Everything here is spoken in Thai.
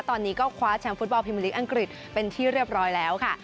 ตอนนี้ก็คว้าแชมป์ฟุตบอลพิมพลิกอังกฤษเป็นที่เรียบร้อยแล้วค่ะ